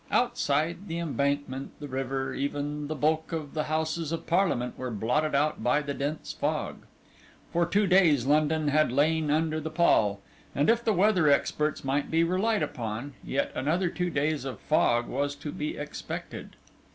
Outside, the Embankment, the river, even the bulk of the Houses of Parliament were blotted out by the dense fog. For two days London had lain under the pall, and if the weather experts might be relied upon, yet another two days of fog was to be expected.